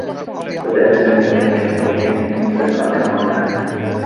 بدآ سامي و ليلى يقضيان وقتا آكثر معا.